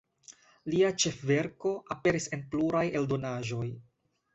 Lia ĉefverko aperis en pluraj eldonaĵoj.